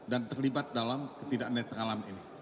dan terlibat dalam ketidak netralan ini